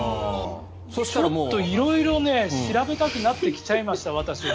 もっと色々調べたくなってきちゃいました私は。